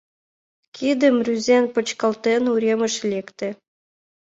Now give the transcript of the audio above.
Кидым рӱзен почкалтен, уремыш лекте.